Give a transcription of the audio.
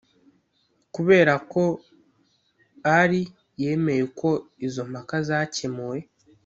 kubera ko ʽalī yemeye uko izo mpaka zakemuwe